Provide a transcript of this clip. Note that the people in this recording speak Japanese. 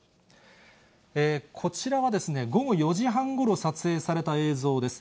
こちらはですね、午後４時半ごろ、撮影された映像です。